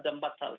ada empat hal